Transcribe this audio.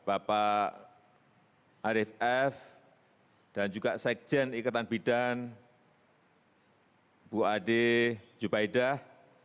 arif f dan juga sekjen ikatan bidan ibu ade jubaidah